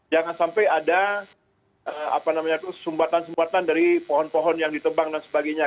jangan sampai ada sumbatan sumbatan dari pohon pohon yang ditebang dan sebagainya